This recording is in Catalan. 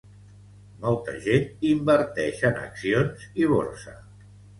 Molta gent inverteix en accions i borsa